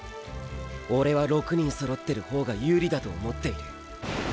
オレは６人揃ってる方が有利だと思っている。